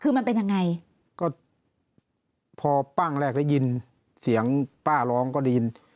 คือมันเป็นยังไงก็พอปั้งแรกได้ยินเสียงป้าร้องก็ได้ยิน